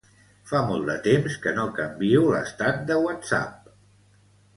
Fa molt de temps que no canvio l'estat de Whatsapp.